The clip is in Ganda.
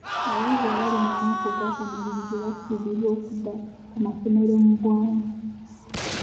Abayizi abali mu mwaka ogw'akamalirizo basuubirwa okudda ku masomero mu bwangu.